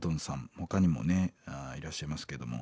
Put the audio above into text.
ほかにもねいらっしゃいますけども。